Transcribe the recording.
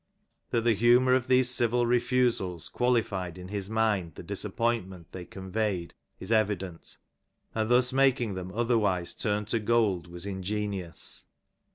That the humour of these civil refusals qualified in his mind the disappointment they conveyed is evident, and thus making them otherwise turn to gold was ingenious.